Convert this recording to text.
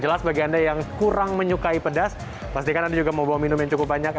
jelas bagi anda yang kurang menyukai pedas pastikan anda juga mau bawa minum yang cukup banyak